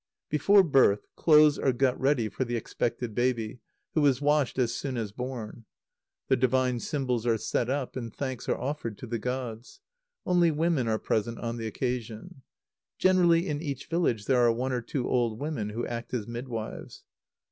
_ Before birth, clothes are got ready for the expected baby, who is washed as soon as born.[F] The divine symbols are set up, and thanks are offered to the gods. Only women are present on the occasion. Generally in each village there are one or two old women who act as midwives.